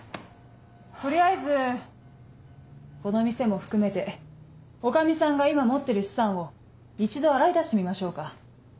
取りあえずこの店も含めて女将さんが今持ってる資産を一度洗い出してみましょうか。